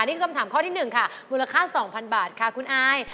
นี่คือคำถามข้อที่๑ค่ะมูลค่า๒๐๐๐บาทค่ะคุณอาย